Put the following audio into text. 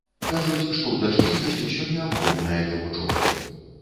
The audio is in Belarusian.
Кажуць, што ў дачкі ёсць усё неабходнае для вучобы.